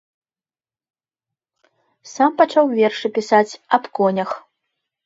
Сам пачаў вершы пісаць аб конях.